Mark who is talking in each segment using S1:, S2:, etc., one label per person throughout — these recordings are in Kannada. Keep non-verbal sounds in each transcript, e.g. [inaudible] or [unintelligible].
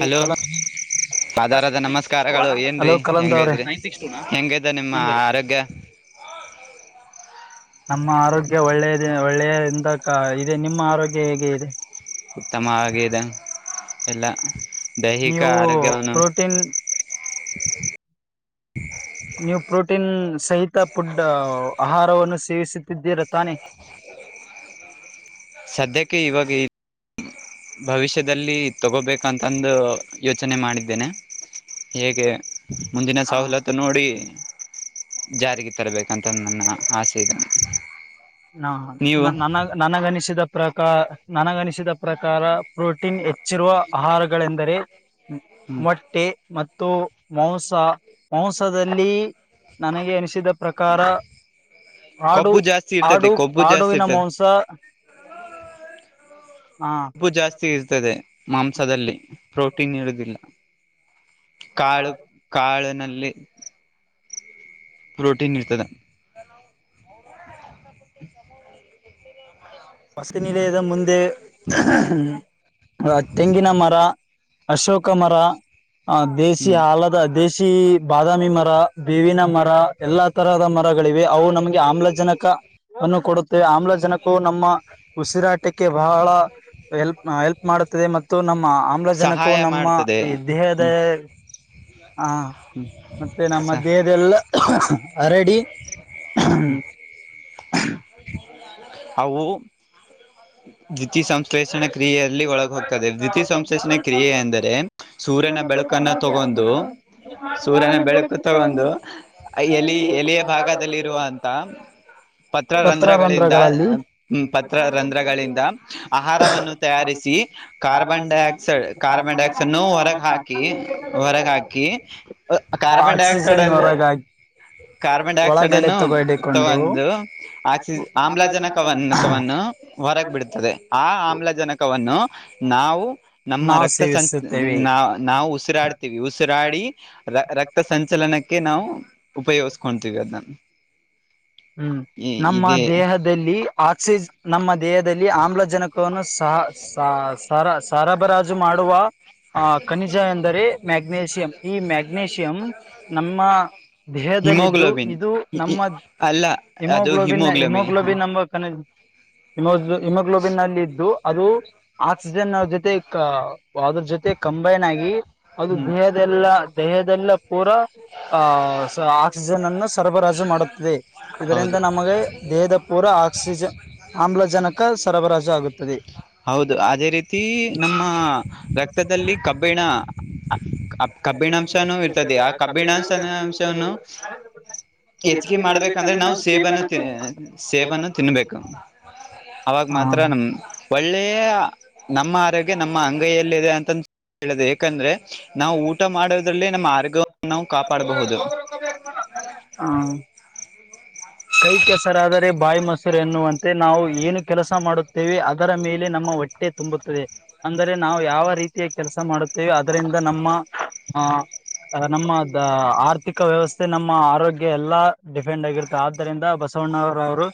S1: ಹಲೋ. ಆಧಾರದ ನಮಸ್ಕಾರಗಳು
S2: ಹಲೋ
S1: ಏನ್ರೀ
S2: ಕಲಂದ ಅವ್ರೆ
S1: ಹೆಂಗೈದ್ರಿ ಹೆಂಗೈತೆ ನಿಮ್ಮ ಆರೋಗ್ಯ. ಹ.
S2: ನಮ್ಮ ಆರೋಗ್ಯ ಒಳ್ಳೆಯದ ಒಳ್ಳೆಯಿಂದ ಇದೆ ನಿಮ್ಮ ಆರೋಗ್ಯ ಹೇಗೆ ಇದೆ.
S1: ಉತ್ತಮವಾಗಿದೆ ಎಲ್ಲ. ದೈಹಿಕ
S2: ನೀವು
S1: ಆರೋಗ್ಯವನ್ನು
S2: ಪ್ರೋಟೀನ್
S1: [unintelligible]
S2: ನೀವು ಪ್ರೋಟೀನ್ ಸಹಿತ ಫುಡ್ ಆಹಾರವನ್ನು ಸೇವಿಸುತ್ತಿದ್ದೀರ ತಾನೆ.
S1: ಸದ್ಯಕ್ಕೆ ಇವಾಗ ಇ ಭವಿಷ್ಯದಲ್ಲಿ ತಗೋಬೇಕಂತಂದು ಯೋಚನೆ ಮಾಡಿದ್ದೇನೆ ಹೇಗೆ ಮುಂದಿನ ಸವಲತ್ತು ನೋಡಿ ಜಾರಿಗೆ ತರಬೇಕಂತ ನನ್ನ ಆಸೆ ಇದು
S2: ಹಾ ನನ ನನಗನಿಸಿದ ಪ್ರಕಾರ ನನಗನಿಸಿದ ಪ್ರಕಾರ ಪ್ರೋಟೀನ್ ಹೆಚ್ಚಿರುವ ಆಹಾರಗಳೆಂದರೆ ಮೊಟ್ಟೆ ಮತ್ತ ಮತ್ತು ಮಾಂಸ ಮಾಂಸದಲ್ಲಿ ನನಗೆ ಅನಿಸಿದ ಪ್ರಕಾರ ಹಾಡು
S1: ಕೊಬ್ಬು ಜಾಸ್ತಿ ಇರ್ತದೆ
S2: ಆಡು
S1: ಕೊಬ್ಬು ಜಾಸ್ತಿ
S2: ಆಡುವಿನ
S1: ಇರ್ತದೆ
S2: ಮಾಂಸ
S1: ಕೊಬ್ಬು ಜಾಸ್ತಿ ಇರ್ತದೆ ಮಾಂಸದಲ್ಲಿ ಪ್ರೋಟೀನ್ ಇರುದಿಲ್ಲ ಕಾಳು
S2: ಹ
S1: ಕಾಳಿನಲ್ಲಿ ಪ್ರೋಟೀನ್ ಇರ್ತದೆ
S2: ಹೊಸ ನಿಲಯದ ಮುಂದೆ ತೆಂಗಿನ ಮರ ಅಶೋಕ ಮರ ದೇಶಿಯ
S1: ಹ್ಮ್
S2: ಆಲದ ದೇಶಿ ಕೃಷಿ ಬಾದಾಮಿ ಮರ ಬೇವಿನ ಮರ ಎಲ್ಲಾ ತರಹದ ಮರಗಳಿವೆ ಅವು ನಮಗೆ ಆಮ್ಲಜನಕ ಅನ್ನು ಕೊಡುತ್ತೆ ಆಮ್ಲಜನಕವು ನಮ್ಮ ಉಸಿರಾಟಕ್ಕೆ ಬಹಳ ಎಲ್ಪ್ ಎಲ್ಪ್ ಮಾಡುತ್ತದೆ ಮತ್ತು ನಮ್ಮ ಆಮ್ಲಜನಕವು
S1: ಸಹಾಯ
S2: ನಮ್ಮ
S1: ಮಾಡ್ತದೆ
S2: ದೇಹದ
S1: ಹ್ಮ್
S2: ಹಾ ಮತ್ತೆ ನಮ್ಮ
S1: ಸಹ
S2: ದೇಹದೆಲ್ಲ ಹರಡಿ
S1: ಹ್ಮ
S2: [inaudible]
S1: ಅವು ದ್ವಿತೀ ಸಂಶ್ಲೇಷಣ ಕ್ರಿಯೆಯಲ್ಲಿ ಒಳಗೆ ಹೋಗ್ತದೆ ದ್ವಿತೀ ಸಂಶ್ಲಷಣೆ ಕ್ರಿಯೆಂದರೆ ಸೂರ್ಯನ ಬೆಳ ಬೆಳಕನು ತಗೊಂಡು ಸೂರ್ಯನ ಬೆಳಕು ತಗೊಂಡು ಎಲಿ ಎಲ ಭಾಗ ದಲ್ಲಿ ಇರುವಂತ ಪತ್ರರಂಧ್ರಗಳಿಂದ
S2: ಪತ್ರರಂಧ್ರಗಳಲ್ಲಿ
S1: ಪತ್ರರಂಧ್ರಗಳಿಂದ ಆಹಾರವನ್ನು ತಯಾರಿಸಿ ಕಾರ್ಬನ್ ಡೈಆಕ್ಸೈಡ್ ಕಾರ್ಬನ್ ಡೈಆಕ್ಸೈಡ್ನ್ನು ಹೊರಗೆ ಹಾಕಿ ವರಗ ಹಾಕಿ ಕಾರ್ಬನ್ ಡೈಆಕ್ಸೈಡ್
S2: ಆಕ್ಸಿಜನ್
S1: ಎಂದ
S2: ಹೊರಗಾಗಿ
S1: ಕಾರ್ಬನ್ ಡೈ ಆಕ್ಸೈಡ್
S2: ಒಳಗಡೆ
S1: ಅನ್ನು
S2: ತಗೊಡಿಕೊಂಡು
S1: ತಗೊಂಡು ಆಸಿ ಆಮ್ಲಜನಕವವನ್ನು ಹೊರಗ್ ಬಿಡತದೆ ಆ ಆಮ್ಲಜನಕವನ್ನು ನಾವು ನಮ್ಮ
S2: ನಾವು
S1: ರಕ್ತ ಸಂ
S2: ಸೇವಿಸುತ್ತೇವೆ
S1: ನಾ ನಾವು ಉಸಿರಾಡ್ತೀವಿ ಉಸಿರಾಡಿ ರಕ್ತ ಸಂಚಲನ ಣಕ್ಕೆ ನಾವು ಉಪಯೋಗಿಸ್ಕೊತೀವಿ ಅದನ್ನ
S2: ಹ್ಮ್
S1: ಈ
S2: ನಮ್ಮ
S1: ಇದೇ
S2: ದೇಹದಲ್ಲಿ ಆಕ್ಸಿಜ ನಮ್ಮ ದೇಹದಲ್ಲಿ ಆಮ್ಲಜನಕವನ್ನು ಸಹ ಸರ ಸರಬರಾಜು ಮಾಡುವ ಆ ಖನಿಜ ಎಂದರೆ ಮ್ಯಾಗ್ನೇಷಿಯಂ ಈ ಮ್ಯಾಗ್ನೇಷಿಯಂ ನಮ್ಮ ದೇಹದಲ್ಲಿದ್ದು
S1: ಹಿಮೋಗ್ಲೋಬಿನ್
S2: ಇದು ನಮ್ಮ
S1: ಅಲ್ಲ
S2: ಹಿಮೋಗ್ಲೋಬಿನ್ ಹಿಮೋಗ್ಲೋಬಿನ್ ನಂಬ ಕನಮ ಹಿಮೋಗ್ಲೋಬಿನ್ಲ್ಲಿ ಇದ್ದು ಅದು ಆಕ್ಸಿಜನ್ ಅವ್ರ ಜೊತೆ ಅದ್ರ ಜೊತೆ ಕಂಬೈನ್ ಆಗಿ ಅದು
S1: ಹ್ಮ್
S2: ದೇಹದೆಲ್ಲ ದೇಹದೆಲ್ಲ ಪೂರ ಆಹ ಆಕ್ಸಿಜನ್ ಅನ್ನು ಸರಬರಾಜು ಮಾಡುತ್ತದೆ ಇದರಿಂದ
S1: ಹೌದು
S2: ನಮಗೆ ದೇಹದ ಪೂರವ ಆಕ್ಸಿಜನ್ ಆಮ್ಲಜನಕ ಸರಬರಾಜು ಆಗುತ್ತದೆ
S1: ಹೌದು ಅದೇ ರೀತಿ ನಮ್ಮ ರಕ್ತದಲ್ಲಿ ಕಬ್ಬಿಣ ಕಬ್ಬಿಣಾಂಶನೂ ಇರ್ತದೆ ಆ ಕಬ್ಬಿಣಾಂಶ ಅಂಶವನ್ನು ಹೆಚ್ಚಿಗೆೆ ಮಾಡ್ಬೇಕ ಅಂದ್ರೆ ನಾವು ಸೇಬನ್ನು ಸೇಬನ್ನು ತಿನ್ಬೇಕು ಅವಾಗ
S2: ಹ
S1: ಮಾತ್ರ ನಮ ಒಳ್ಳೆಯ ನಮ್ಮ ಆರೋಗ್ಯ ನಮ್ಮ ಅಂಗೈಯಲ್ಲಿದೆ ಅಂತಂದು ಹೇಳದ ಯಾಕಂದ್ರೆ ನಾವು ಊಟ ಮಾಡೋದ್ರಲ್ಲಿೇ ನಮ್ಮ ಆರ್ಗ
S2: ಹಾ ಕೈ ಕೆಸರಾದರೆ ಬಾಯಿ ಮಸ್ ಎನ್ನುವಂತೆ ನಾವು ಏನು ಕೆಲಸ ಮಾಡುತ್ತೇವೆ ಅದರ ಮೇಲೆ ನಮ್ಮ ಹೊಟ್ಟೆ ತುಂಬುತ್ತದೆ ಅಂದರೆ ನಾ ನಾವು ಯಾವ ರೀತಿಯ ಕೆಲಸ ಮಾಡುತ್ತೇವೆ ಅದರಿಂದ ನಮ್ಮ ಆ ಅದ ನಮ್ಮದ ಆರ್ಥಿಕ ವ್ಯವಸ್ಥೆ ನಮ್ಮ ಆರೋಗ್ಯ ಎಲ್ಲಾ ಡಿಪೆಂಡ್ ಆಗಿರ್ ಆದ್ದರಿಂದ ಬಸವಣ್ಣರವರು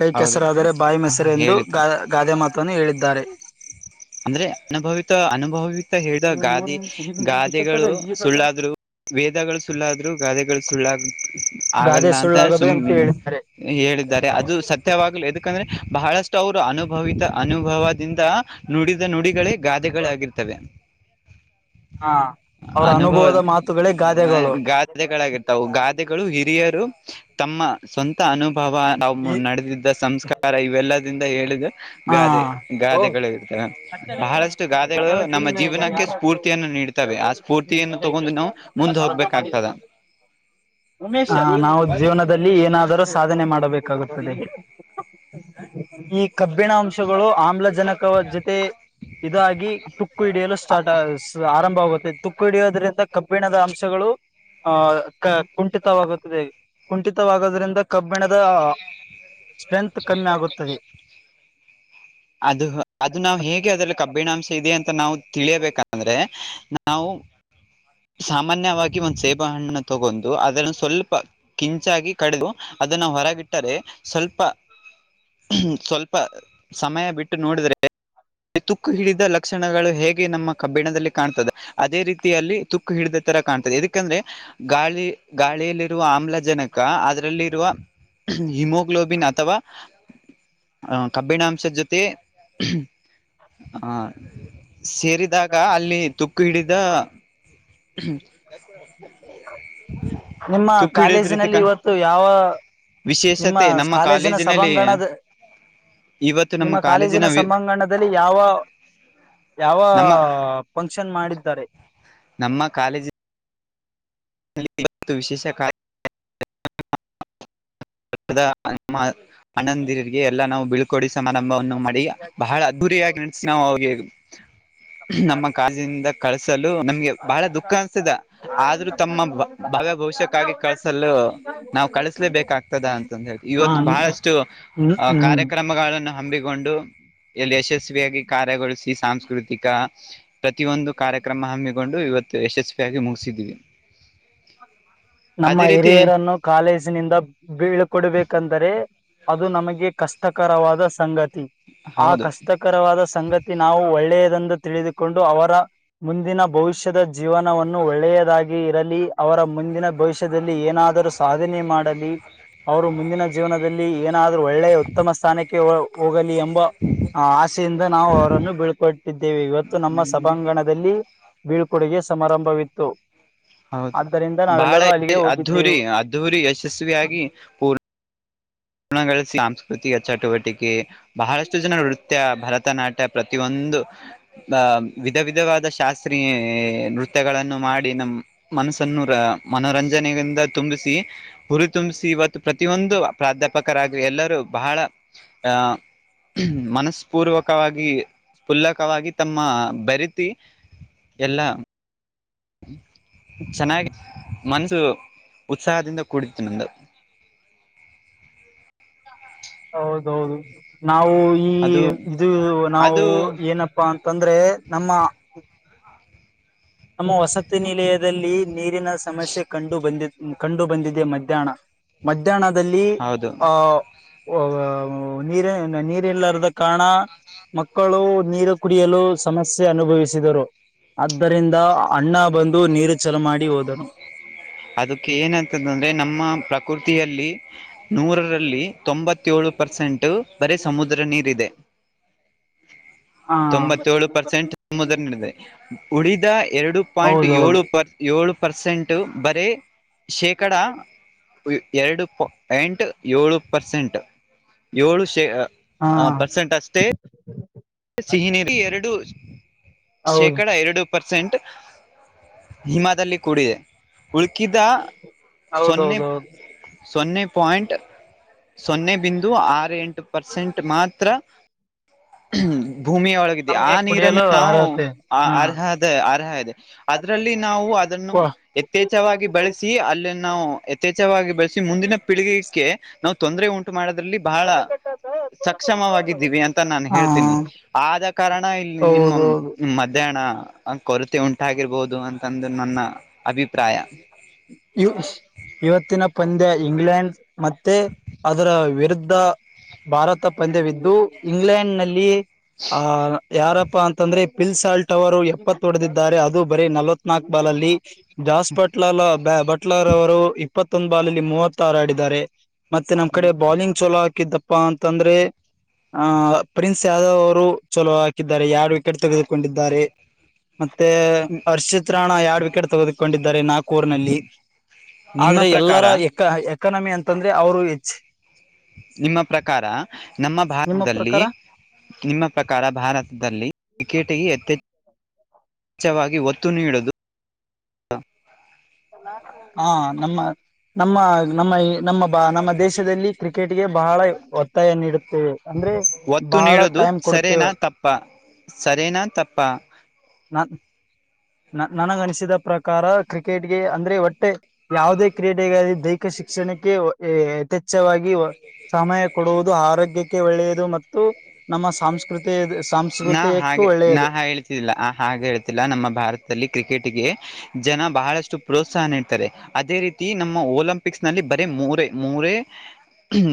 S2: ಕೈ
S1: ಹೌದು
S2: ಕೆಸರಾದರೆ ಬಾಯಿ ಮೊಸರು ಎಂದು
S1: ಹೇಳಿತು
S2: ಗ ಗಾದೆ ಮಾತನ್ನು ಹೇಳಿದ್ದಾರೆ.
S1: ಅಂದ್ರೆ ಅನುಭವಿತ ಅನುಭವಿತ ಹೇಳಿದ ಗಾದೆ ಗಾದೆಗಳು ಸುಳ್ಳಾದ್ರು ವೇದಗಳು ಸುಳ್ಳಾದ್ರೂ ಗಾದೆಗಳು ಸುಳ್ಳಾಗ
S2: ಗಾದೆ
S1: ಆಗಲ್ಲ ಅಂತ
S2: ಸುಳ್ಳಾಗದು
S1: ಸುಮ
S2: ಅಂತ ಹೇಳಿದ್ದಾರೆ
S1: ಹೇಳಿದ್ದಾರೆ ಅದು ಸತ್ಯವಾಗ್ಲಿ ಯಾಕಂದ್ರೆ ಬಹಳಷ್ಟು ಅವರು ಅನುಭವಿತ ಅನುಭವದಿಂದ ನುಡಿದ ನುಡಿಗಳೆ ಗಾದೆಗಳಾಗಿರ್ತವೆ
S2: ಹಾ
S1: ಅನುಭವ ಗಾದೆಗಳಾಗಿರ್ತವು ಗಾದೆಗಳು ಹಿರಿಯರು ತಮ್ಮ ಸ್ವಂತ ಅನುಭವ
S2: ಈ
S1: ನಾವು ನಡೆದಿದ್ದ ಸಂಸ್ಕಾರ ಇವೆಲ್ಲದಿಂದ ಹೇಳಿದ ಗಾದೆ
S2: ಹ
S1: ಗಾದೆಗಳು ಬಹಳಷ್ಟು ಗಾದೆಗಳು ನಮ್ಮ ಜೀವನಕ್ಕೆ ಸ್ಫೂರ್ತಿಯನ್ನು ನೀಡುತ್ತವೆ ಆ ಸ್ಫೂರ್ತಿಯನ್ನು ತಗೊಂಡು ನಾ ಮುಂದೆ ಹೋಗ್ಬೇಕಾಗ್ತದ
S2: ನಾವು ಜೀವನದಲ್ಲಿ ಏನಾದರೂ ಸಾಧನೆ ಮಾಡಬೇಕಾಗುತ್ತದೆ ಈ ಕಬ್ಬಿಣ ಅಂಶಗಳು ಆಮ್ಲಜನಕ ಜೊತೆ ಇದಾಗಿ ತುಕ್ಕು ಹಿಡಿಯಲು ಸ್ಟಾರ್ಟ್ ಆರಂಭ ಆಗುತ್ತೆ ತುಕ್ಕು ಹಿಡಿಯೋದ್ರಿಂದ ಕಬ್ಬಿಣದ ಅಂಶಗಳು ಆಹ್ ಕುಂಠಿತವಾಗುತ್ತದೆ ಕುಂಠಿತವಾಗೋದ್ರಿಂದ ಕಬ್ಬಿಣದ ಸ್ಟ್ರೆಂತ್ ಕಮ್ಮಿ ಆಗುತ್ತದೆ
S1: ಅದು ಅದು ನಾವ ಹೇಗೆ ಅದ್ರಲ್ಲಿ ಕಬ್ಬಿಣಾಂಶ ಇದೆ ಅಂತ ನಾವು ತಿಳಿಯಬೇಕಂದ್ರೆ ನಾವು ಸಾಮಾನ್ಯವಾಗಿ ಒಂದ್ ಸೇಬೆ ಹಣ್ಣು ತಗೊಂಡು ಅದನ್ನು ಸ್ವಲ್ಪ ಕಿಂಚಾಗಿ ಕಡದು ಅದನ್ನ ಹೊರಗಿಟ್ಟರೆ ಸ್ವಲ್ಪ ಸ್ವಲ್ಪ ಸಮಯ ಬಿಟ್ಟು ನೋಡಿದ್ರೆ ತುಕ್ಕು ಹಿಡಿದ ಲಕ್ಷಣಗಳು ಹೇಗೆ ನಮ್ಮ ಕಬ್ಬಿಣದಲ್ಲಿ ಕಾಣತ್ತದೆ ಅದೇ ರೀತಿಯಲ್ಲಿ ತುಕ್ಕು ಹಿಡಿದ ಅದೇ ತರಾ ಕಾಣ್ತದೆ ಯಾಕಂದ್ರೆ ಗಾಳಿ ಗಾಳಿಯಲ್ಲಿರುವ ಆಮ್ಲಜನಕ ಅದರಲ್ಲಿರುವ ಹಿಮೋ ಹಿಮಗ್ಲೊಬಿನ್ ಅಥವಾ ಕಬ್ಬಿಣ ಷ ಜೊತೆ ಹಾ ಸೇರಿದಾಗ ಅಲ್ಲಿ ತುಕ್ಕು ಹಿಡಿದ
S2: ನಿಮ್ಮ
S1: ತು ಹಿಡಿದ ರೀತಿ ಕ
S2: ಕಾಲೇಜಿನಲ್ಲಿ ಇವತ್ತು ಯಾವ ನಿಮ್ಮ
S1: ವಿಶೇಷತೆ ನಮ್ಮ
S2: ಕಾಲೇಜಿನ
S1: ಕಾಲೇಜಿನಲ್ಲಿ
S2: ಸಭಾಂಗಣದ
S1: ಇವತ್ತು ನಮ್ಮ
S2: ನಿಮ್ಮ ಕಾಲೇಜಿನ
S1: ವಿ
S2: ಸಭಾಂಗಣದಲ್ಲಿ ಯಾವ ಯಾವ
S1: ನಮ್ಮ
S2: ಫಂಕ್ಷನ್ ಮಾಡಿದ್ದಾರೆ
S1: ಇಲ್ಲಿ ಇತ್ತು ವಿಶೇಷ ಕಾರ್ಯ ಅಣ್ಣದಿರಿಗೆ ಎಲ್ಲ ನಾವು ಬಿಳ್ಕೋಡಿ ಸಮಾರಂಭವನ್ನು ಮಾಡಿ ಬಹಳ ಅದ್ದೂರಿಯಾಗಿ ನಡೆಸೀಅವರಿಗಿ ನಾವು ಅವ ನಮ್ಮ ಕಾಜಿನಿಂದ ಕಳ್ಸಲು ನಮ್ಗೆ ಬಹಳ ದುಃಖ ಅನ್ಸ್ತಿದೆ ಆದ್ರೂ ತಮ್ಮ ಬಾಗ ಭವಿಷ್ಯಕ್ಕಾಗಿ ಕಳಸಲು ನಾವು ಕಳಸಲೇ ಬೇಕಾಗತ ಆತದ ಅಂತಂದ ಹೇಳಿ
S2: ಹ
S1: ಇವತ್ತು ಬಹಳಷ್ಟು ಕಾರ್ಯಕ್ರಮಗಳನ್ನು ಹಮ್ಮಿಕೊಂಡು ಎಲ್ಲಿ ಯಶಸ್ವಿಯಾಗಿ ಕಾರ್ಯಗೊಳಿಸಿ ಸಾಂಸ್ಕೃತಿಕ ಪ್ರತಿಯೊಂದು ಕಾರ್ಯಕ್ರಮ ಹಮ್ಮಿಕೊಂಡು ಇವತ್ತು. ಯಶಸ್ವಿಯಾಗಿ ಮುಗಿಸಿದ್ದೀವಿ.
S2: ನಮ್ಮ ಹಿರಿಯರನ್ನು ಕಾಲೇಜಿನಿಂದ ಬೀಳ್ಕೊಡ್ಬೇಕಂದರೆ ಅದು ನಮಗೆ ಕಷ್ಟಕರವಾದ ಸಂಗತಿ ಆ
S1: ಹೌದು
S2: ಕಷ್ಟಕರವಾದ ಸಂಗತಿ ನಾವು ಒಳ್ಳೆಯ ತಿಳಿದುಕೊಂಡು ಅವರ ಮುಂದಿನ ಭವಿಷ್ಯದ ಜೀವನವನ್ನು ಒಳ್ಳೆಯದಾಗಿ ಇರಲಿ ಅವರ ಮುಂದಿನ ಭವಿಷ್ಯದಲ್ಲಿ ಏನಾದರೂ ಸಾಧನೆ ಮಾಡಲಿ ಅವರು ಮುಂದಿನ ಜೀವನದಲ್ಲಿ ಏನಾದ್ರೂ ಒಳ್ಳೆಯ ಉತ್ತಮ ಸ್ಥಾನಕ್ಕೆ ಹೋಗಲಿ ಎಂಬ ಆಸೆಯಿಂದ ನಾವು ಅವರನ್ನು ಬೀಳ್ಕೊಟ್ಟಿದ್ದೇವೆ ಇವತ್ತು ನಮ್ಮ ಸಭಾಂಗಣದಲ್ಲಿ ಬೀಳ್ಕೊಡುಗೆ ಸಮಾರಂಭವಿತ್ತು
S1: ಹೌದು
S2: ಆದ್ದರಿಂದ
S1: ಬಾಳ
S2: ನಾವೆಲ್ಲರೂ ಅಲ್ಲಿಗೆ
S1: ಅದ್ಧೂರಿ
S2: ಹೋಗಿದ್ದೆವು
S1: ಅದ್ಧೂರಿ ಯಶಸ್ವಿಯಾಗಿ ಪೂರ್ ಣಗಳ ಸಾಂಸ್ಕೃತಿಕ ಚಟುವಟಿಕೆ ಬಹಳಷ್ಟು ಜನ ನೃತ್ಯ ಭರತನಾಟ್ಯ ಪ್ರತಿಯೊಂದು ಆ ವಿಧ ವಿಧವಾದ ಶಾಸ್ತ್ರೀಯ ನೃತ್ಯಗಳನ್ನು ಮಾಡಿ ನಮ್ಮ ಮನಸ್ಸನ್ನುರ ಮನೋರಂಜನೆಯಿಂದ ತುಂಬಿಸಿ ಹುರಿ ತುಂಬಿಸಿ ಇವತ್ತು ಪ್ರತಿಯೊಂದು ಪ್ರಾಧ್ಯಾಪಕರಾಗಿ ಎಲ್ಲರೂ ಬಹಳ ಆಹ್ ಮನಸ್ಪೂರ್ವಕವಾಗಿ ಫುಲ್ಲಕವಾಗಿ ತಮ್ಮ ಬರಿತಿ ಎಲ್ಲ ಚೆನ್ನಾಗಿ ಮನಸು ಉತ್ಸಾಹದಿಂದ ಕೂಡಿತ್ತು ನನ್ನದು [unintelligible]
S2: ಹೌದೌದು ನಾವು ಈ
S1: ಅದು
S2: ಇದು ನಾವು
S1: ಅದು
S2: ಏನಪ್ಪಾ ಅಂತಂದ್ರೆ ನಮ್ಮ ನಮ್ಮ ವಸತಿ ನಿಲಯದಲ್ಲಿ ನೀರಿನ ಸಮಸ್ಯೆ ಕಂಡು ಬಂದಿ ಕಂಡು ಬಂದಿದೆ ಮಧ್ಯಾಹ್ನ ಮಧ್ಯಾಹ್ನದಲ್ಲಿ
S1: ಹೌದು
S2: ಆಹ ನೀರ ನೀರ್ಲ್ಲಾರದ ಕಾರಣ ಮಕ್ಕಳು ನೀರು ಕುಡಿಯಲು ಸಮಸ್ಯೆ ಅನುಭವಿಸಿದರು ಆದ್ದರಿಂದ ಅಣ್ಣ ಬಂದು ನೀರು ಚಲ ಮಾಡಿ ಹೋದನು
S1: ಅದಕ್ಕೆ ಏನಂತದಂದ್ರೆ ನಮ್ಮ ಪ್ರ ಕುರ್ತಿಯಲ್ಲಿ ನೂರಲ್ಲಿ ತೊಂಬತ್ತ ಏಳು ಪರ್ಸೆಂಟ್ ಬರೀ ಸಮುದ್ರ ನೀರ ಇದೆ
S2: ಹ
S1: ತೊಂಬತ್ತೇಳೇಳು ಪರ್ಸೆಂಟ್ದೆ ಉಳಿದ ಎರಡು ಪಾಯಿಂಟ್
S2: ಹೌದೌದು
S1: ಏಳು ಪರ್ ಏಳು ಪರ್ಸೆಂಟ್ ಬರೀ ಶೇಕಡ ಎರಡು ಪಾಯಂಟ್ ಏಳು ಪರ್ಸೆಂಟ್ ಏಳು ಶೇ ಹಾ ಪರ್ಸೆಂಟ್ ಅಷ್ಟೇ ಸಿಹಿನ ಎರಡು
S2: ಹೌದು
S1: ಶೇಕಡ ಎರಡು ಪರ್ಸೆಂಟ್ ಹಿಮಾದಲ್ಲಿ ಕೂಡಿದೆ ಉಳ್ಕಿದಾ ಸೊನ್ನೆ
S2: ಹೌದೌದೌದು
S1: ಸೊನ್ನೆ ಪಾಯಿಂಟ್ ಸೊನ್ನೆ ಬಿಂದು ಆರು ಎಂಟು ಪರ್ಸೆಂಟ್ ಮಾತ್ರ ಭೂಮಿಯ ಒಳಗಿದೆ ಆ
S2: ನಮ್ಗೆ
S1: ನೀರನ್ನು
S2: ಕುಡಿಯಲು
S1: ನಾವು
S2: ಅರ್ಹತೆ ಹಾ
S1: ಅರ್ಹದ ಅರ್ಹ ಇದೆ ಅದರಲ್ಲಿ ನಾವು ಅದನ್ನು
S2: ಹಾ
S1: ಯಥೇಛವಾಗಿ ಬಳಸಿ ಅಲ್ಲಿ ನಾವು ಯಥೇಚ್ವಾಗಿ ಬಳಸಿ ಮುಂದಿನ ಪೀಳಿಗೆ ನಾವು ತೊಂದರೆ ಉಂಟು ಮಾಡೋದ್ರಲ್ಲಿ ಬಹಳ ಸಕ್ಷಮವಾಗಿದ್ದೀವಿ ಅಂತ ನಾನ್ ಹೇಳ ಆದ ಕಾರಣ ಇಲ್ಲಿ ನಿಮ್ಮ
S2: ಹೌದೌದು
S1: ಮಧ್ಯಾಹ್ನ ಕೊರತೆ ಉಂಟಾಗಿರ್ಬೋದು ಅಂತಂದು ನನ್ನ ಅಭಿ
S2: ಇವತ್ತಿನ ಪಂದ್ಯ ಇಂಗ್ಲೆಂಡ್ ಮತ್ತೆ ಅದರ ವಿರುದ್ಧ ಭಾರತ ಪಂದ್ಯವಿದ್ದು ಇಂಗ್ಲೆಂಡ್ ನಲ್ಲಿ ಆ ಯಾರಪ್ಪಾ ಅಂತಂದ್ರೆ ಪಿಲ್ಸಾಲ್ಟ್ ಅವರು ಎಪ್ಪತ್ತ ಹೊಡೆದಿದ್ದಾರೆ ಅದು ಬರೀ ನಲವತ್ ನಾಕು ಬಾಲ್ ಅಲ್ಲಿ ಜಾಸ್ತಿ ಬಟ್ಲಲ್ ಬಟ್ಲಾರ್ ಅವರು ಇಪ್ಪತ್ತೊಂದು ಬಾಲಲ್ಲಿ ಮೂವತ್ತ ಆಾರ ಆಡಿದ್ದಾರೆ ಮತ್ತೆ ನಮ್ ಕಡೆ ಬಾಲಿಂಗ್ ಚಲೋ ಹಾಕಿದ್ದಪ್ಪಾ ಅಂತಂದ್ರೆ ಆ್ ಪ್ರಿನ್ಸ್ ಯಾದವ್ ಅವರು ಚಲೋ ಹಾಕಿದ್ದಾರೆ ಎರಡು ವಿಕೆಟ್ ತೆಗೆದುಕೊಂಡಿದ್ದಾರೆ ಮತ್ತೆ ಅರ್ಷಿತ್ ರಾಣ ಎರಡ್ ವಿಕೆಟ್ ತೆಗೆದಕೊಂಡಿದ್ದೆ ಕೋರ್ನಲ್ಲಿ
S1: ನಿಮ್ಮ
S2: ಆದ್ರೆ
S1: ಪ್ರಕಾರ
S2: ಎಲ್ಲರ ಎಕ ಎಕಾನಮಿ ಅಂತಂದ್ರೆ ಅವರು ಹೆಚ್
S1: ನಿಮ್ಮ ಪ್ರಕಾರ ನಮ್ಮ
S2: ನಿಮ್ಮ
S1: ಭಾರತದಲ್ಲಿ
S2: ಪ್ರಕಾರ
S1: ನಿಮ್ಮ ಪ್ರಕಾರ ಭಾರತದಲ್ಲಿ ಕ್ರಿಕೆಟಗೆ ಎತ್ತೆಚ್ಚ ಸ್ವಛವಾಗಿ ಒತ್ತು ನೀಡುದು
S2: ಹಾ ನಮ್ಮ ನಮ್ಮ ನಮ್ಮ ನಮ್ಮ ಬಾ ನಮ್ಮ ದೇಶದಲ್ಲಿ ಕ್ರಿಕೆಟ್ಗೆ ಬಹಳ ಒತ್ತಾಯ ನೀಡುತ್ತೇವೆ ಅಂದ್ರೆ
S1: ಒತ್ತು
S2: ಬಹಳ
S1: ನೀಡೋದು
S2: ಟೈಮ್
S1: ಸರೆನಾ
S2: ಕೊಡುತ್ತೇವೆ
S1: ತಪ್ಪ ಸರೆನಾ ತಪ್ಪ
S2: ನ ನನಗನಿಸಿದ ಪ್ರಕಾರ ಕ್ರಿಕೆಟ್ ಅಂದ್ರೆ ಒಟ್ಟೆ ಯಾವುದೇ ಕ್ರೀಡೆಗಾಗಿ ದೈಹಿಕ ಶಿಕ್ಷಣಕ್ಕೆ ಯಥೇಚ್ವಾಗಿ ಸಮಯ ಕೊಡುವುದು ಆರೋಗ್ಯಕ್ಕೆ ಒಳ್ಳೆಯದು ಮತ್ತು ನಮ್ಮ ಸಂಂಸ್ಕೃತ
S1: ನಾ ಹಾಗೆ ನಾ ಹೇಳ್ತಿದ್ದಿಲ್ಲ ಹಾಗೆ ಹೇಳ್ತಿಲ್ಲ ನಮ್ಮ ಭಾರತದಲ್ಲಿ ಕ್ರಿಕೆಟ್ಗೆ ಜನ ಬಹಳಷ್ಟು ಪ್ರೋತ್ಸಾಹನ ಇಡ್ತಾರೆ ಅದೇ ರೀತಿ ನಮ್ಮ ಒಲಂಪಿಕ್ಸ್ ನಲ್ಲಿ ಬರೀ ಮೂರ ಮೂರ ಹ್ಮ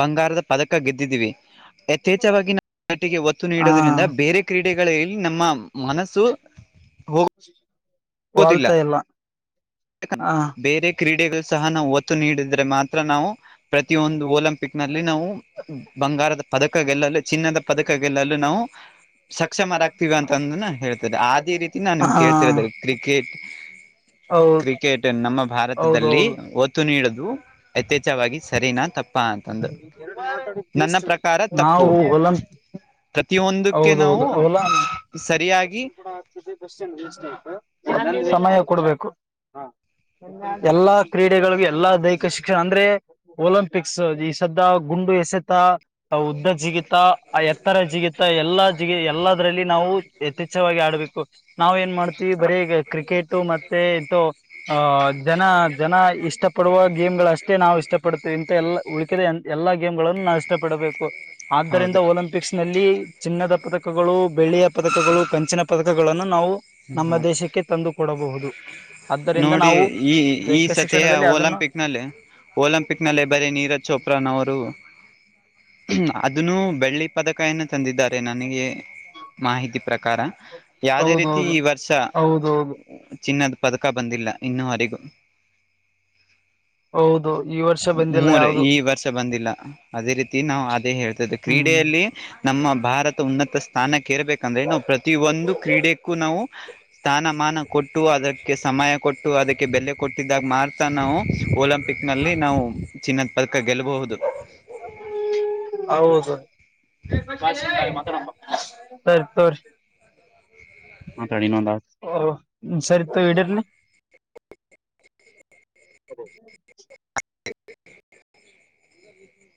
S1: ಬಂಗಾರದ ಪದಕ ಗೆದ್ದಿದ್ದೀವಿ ಯಥೇಚ್ವಾಗಿ ನಾ ನಟಿಗೆ ಒತ್ತು
S2: ಹ
S1: ನೀಡೋದ್ರಿಂದ ಬೇರೆ ಕ್ರೀಡೆ ಕ್ರೀಡೆಗಳಲ್ಲಿ ನಮ್ಮ ಮನಸ್ಸು ಗೋದಿಲ್ಲ
S2: ವಳ್ತಾ ಎಲ್ಲ ಹ
S1: ಬೇರೆ ಕ್ರೀಡೆಗಳು ಸಹ ನಾವು ಒತ್ತು ನೀಡಿದ್ರೆ ಮಾತ್ರ ನಾವು ಪ್ರತಿಯೊಂದು ಒಲಿಂಪಿಕ್ ನಲ್ಲಿ ನಾವು ಬಂಗಾರದ ಪದಕ ಗೆಲ್ಲಲು ಚಿನ್ನದ ಪದಕ ಗೆಲ್ಲಲು ನಾವು ಸಕ್ಷಮರ ಆಗ್ತೀವ ಅಂತಂದ ಹೇಳ್ತಾರೆ ಅದೇ ರೀತಿ ನಾ ನಿಮ್
S2: ಹ
S1: ಕೇಳ್ತಿರೋದ ಕ್ರಿಕೆಟ್
S2: ಹೌದು
S1: ಕ್ರಿಕೆಟ್ ನಮ್ಮ ಭಾರತದಲ್ಲಿ
S2: ಹೌದೌದು
S1: ಒತ್ತು ನೀಡದು ಯಥೇಛವಾಗಿ ಸರಿನಾಥ್ ತಪ್ಪ ಅಂತಂದು ನನ್ನ ಪ್ರಕಾರ ತಪ್ಪು
S2: ನಾವು ಹೊಲ
S1: ಪ್ರತಿಯೊಂದಕ್ಕೆ
S2: ಹೌದೌದು
S1: ನಾವು
S2: ಅವಲ್ಲಾ
S1: ಸರಿಯಾಗಿ
S2: ಬ ಕತ ಬ ಆ ಸಮಯ ಕೊಡ್ಬೇಕು ಎಲ್ಲಾ ಕ್ರೀಡೆಗಳಗ ಎಲ್ಲಾ ದೈಹಿಕ ಶಿಕ್ಷಣ ಅಂದ್ರೆ ಒಲಿಂಪಿಕ್ಸ್ ಈ ಸದ ಗುಂಡು ಎಸೆತ ಉದ್ದ ಜಿಗಿತ ಎತ್ತರ ಜಿಗಿತ ಎಲ್ಲಾ ಜಗ ಎಲ್ಲದರಲ್ಲಿ ನಾವು ಯಥೇಚ್ಛವಾಗಿ ಆಡ್ಬೇಕು ನಾವವು ಏನ್ ಮಾಡ್ತೀವಿ ಬರೀ ಈಗ ಕ್ರಿಕೆಟ್ ಕ್ರಿಕೆ ಮತ್ತೆ ಇ ಅ ಜನ ಜನ ಇಷ್ಟ ಪಡುವ ಗೇಮ್ ಗಳ ಅಷ್ಟೇ ನಾವು ಇಷ್ಟಪಡ ಇಂತಥ ಎಲ್ಲಾ ಉಳಕಿದ ಎಲ್ಲಾ ಗೇಮ್ ಗಳನ್ನು ನಾವು ಇಷ್ಟಪಡಬೇಕು ಆದ್ದರಿಂದ
S1: ಹೌದು
S2: ಒಲಿಂಪಿಕ್ಸ್ ನಲ್ಲಿ ಚಿನ್ನದ ಪದಕಗಳು ಬೆಳಿಯ ಪದಕಗಳು ಕಂಚಿನ ಪದಕಗಳನ್ನು ನಾವು ನಮ್ಮ
S1: ಹ್ಮ
S2: ದೇಶಕ್ಕೆ ತಂದು ಕೊಡಬಹುದು ಹೌದು
S1: ನೋಡಿ ಈ ಈ ಸತಿಯ
S2: ಶಿಕ್ಷಣದಲ್ಲಿ ಅದನ್ನು
S1: ಒಲಂಪಿಕ್ ನಲ್ಲಿ ಒಲಿಂಪಿಕ್ ನಲ್ಲೇ ಬರೀ ನೀರಜ್ ಚೋಪ್ರಾನ್ ಅವರು ಅದನ್ನು ಬೆಳ್ಳಿ ಪದಕನ್ನ ತಂದಿದ್ದಾರೆ ನನಗೆ ಮಾಹಿತಿ ಪ್ರಕಾರ ಯಾವ್ದೇ ರೀತಿ
S2: ಹೌದೌದು
S1: ಈ ವರ್ಷ
S2: ಹೌದೌದು
S1: ಚಿನ್ನದ ಪದಕ ಬಂದಿಲ್ಲ ಇನ್ನೂವರೆಗೂ
S2: ಹೌದು ಈ ವರ್ಷ ಬಂದಿಲ್ಲ
S1: ಮೂರ
S2: ಯಾವುದು
S1: ಈ ವರ್ಷ ಬಂದಿಲ್ಲ ಅದೇ ರೀತಿ ನಾವು ಅದೇ ಹೇಳ್ತದೆ
S2: ಹ್ಮ್
S1: ಕ್ರೀಡೆಯಲ್ಲಿ ನಮ್ಮ ಭಾರತ ಉನ್ನತ ಸ್ಥಾನಕ್ಕೆೇರ್ಬೇಕಂದ್ರೆ ನಾವು ಪ್ರತಿಯ ಒಂದು ಕ್ರೀಡೆಕ್ಕೂ ನಾವು ಸ್ಥಾನಮಾನ ಕೊಟ್ಟು ಅದಕ್ಕೆ ಸಮಯ ಕೊಟ್ಟು ಅದಕ್ಕೆ ಬೆಲೆ ಕೊಟ್ಟಿದ್ದಾಗ ಮಾತ ನಾವು ಒಓಲಂ ಪಿಕ್ ನಲ್ಲಿ ನಾವು ಚಿನ್ನದ್ ಪದಕ ಗೆಲ್ಲಬಹುದು
S2: ಹೌದು ಸರಿ [unintelligible] ಮಾತಡಿ ನಂದ ಓ ಸರಿತ ಇಡಿರ್ಲಿ ಸರಿ
S1: ಹ